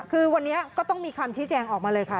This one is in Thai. คือวันนี้ก็ต้องมีคำชี้แจงออกมาเลยค่ะ